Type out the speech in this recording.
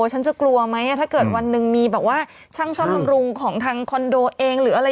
ฉันจะกลัวไหมถ้าเกิดวันหนึ่งมีแบบว่าช่างซ่อมบำรุงของทางคอนโดเองหรืออะไร